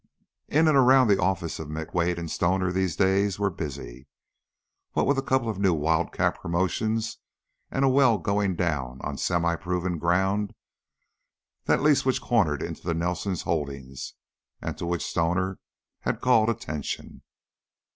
In and around the office of McWade & Stoner these were busy days, what with a couple of new wildcat promotions and a well going down on semiproven ground that lease which cornered into the Nelson holdings, and to which Stoner had called attention.